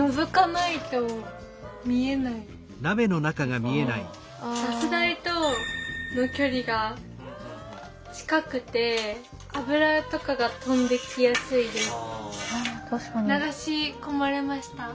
ガス台との距離が近くて油とかが飛んできやすいです。